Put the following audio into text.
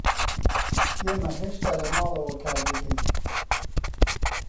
ئێمە هێشتا لە ماڵەوە کار دەکەین.